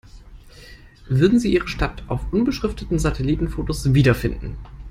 Würden Sie Ihre Stadt auf unbeschrifteten Satellitenfotos wiederfinden?